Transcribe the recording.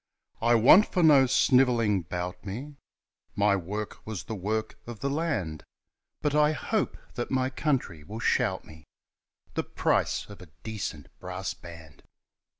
I wish for no sniveling about me (My work was the work of the land) But I hope that my country will shout me The price of a decent brass band.